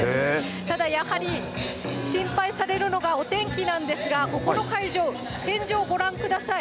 ただやはり、心配されるのがお天気なんですが、ここの会場、天井ご覧ください。